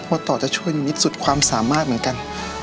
ต่อจะช่วยนิดสุดความสามารถเหมือนกัน